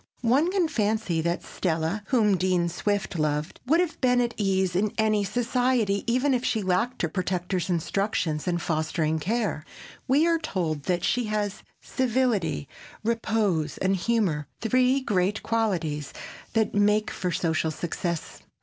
One can fancy that Stella, whom Dean Swift loved, would have been at ease in any society, even had she lacked her protector's instruction and fostering care. We are told that she has civility, repose and humor, three great qualities that make for social success.